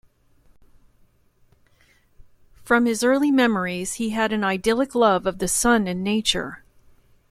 From his early memories he had an idyllic love of the sun and nature.